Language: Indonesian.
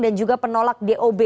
dan juga penolak dob